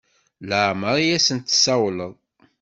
Laɛmeṛ i asen-tessawleḍ?